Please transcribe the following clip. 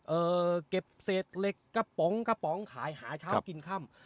เก็บเศษเหล็กกระป๋องกระป๋องขายหาเช้ากินค่ำ